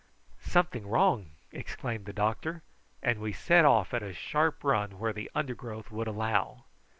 "Something wrong!" exclaimed the doctor, and we set off at a sharp run where the undergrowth would allow.